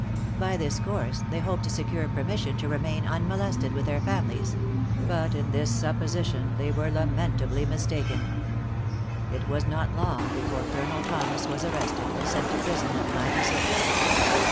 By this course, they hoped to secure permission to remain unmolested with their families; but in this supposition they were lamentably mistaken. It was not long before Colonel Thomas was arrested, and sent to prison at Ninety Six.